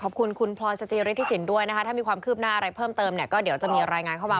ขอบคุณคุณพลอยสจิฤทธิสินด้วยนะคะถ้ามีความคืบหน้าอะไรเพิ่มเติมเนี่ยก็เดี๋ยวจะมีรายงานเข้ามา